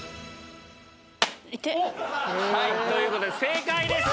はいということで正解でした。